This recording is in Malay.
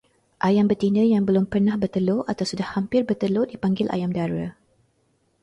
Ayam betina yang belum pernah bertelur atau sudah hampir bertelur dipanggil ayam dara.